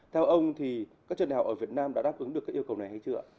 theo ông thì các trường đại học ở việt nam đã đáp ứng được các yêu cầu này hay chưa